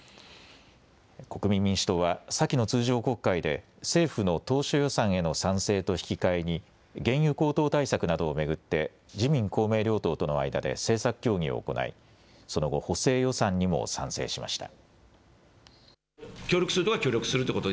国民民主党は先の通常国会で政府の当初予算への賛成と引き換えに原油高騰対策などを巡って自民公明両党との間で政策協議を行いその後、補正予算にも賛成しました。